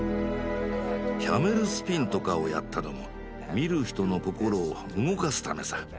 キャメルスピンとかをやったのも見る人の心を動かすためさ。